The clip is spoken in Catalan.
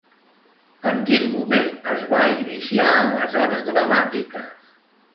En quin moment es va iniciar en les arts dramàtiques?